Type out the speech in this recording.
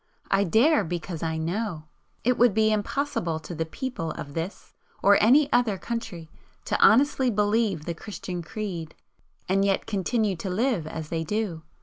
I dare, because I know! It would be impossible to the people of this or any other country to honestly believe the Christian creed, and yet continue to live as they do.